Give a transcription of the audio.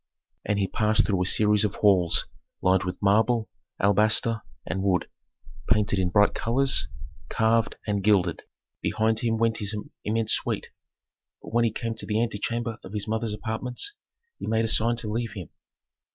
And he passed through a series of halls lined with marble, alabaster, and wood, painted in bright colors, carved and gilded; behind him went his immense suite. But when he came to the antechamber of his mother's apartments, he made a sign to leave him.